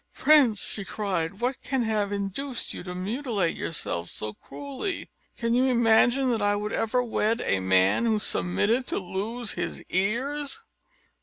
"Prince!" she cried, "what can have induced you to mutilate yourself so cruelly? Could you imagine that I would ever wed a man who submitted to lose his ears?"